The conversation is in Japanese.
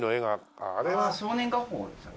あれは『少年画報』ですね。